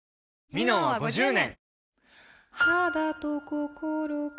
「ミノン」は５０年！